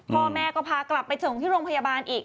พ่อแม่ก็พากลับไปส่งที่โรงพยาบาลอีก